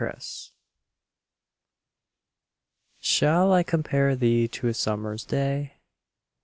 XVIII Shall I compare thee to a summerŌĆÖs day?